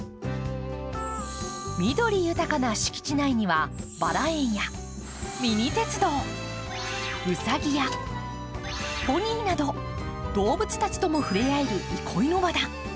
緑豊かな敷地内には、バラ園やミニ鉄道、うさぎやポニーなど、動物たちとも触れ合える憩いの場だ。